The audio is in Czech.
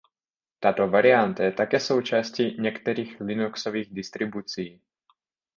Tato varianta je také součástí některých linuxových distribucí.